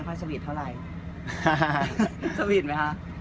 ก็เลยไม่ค่อยชีวิตเท่าไร